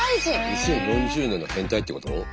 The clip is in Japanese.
２０４０年の変態ってこと？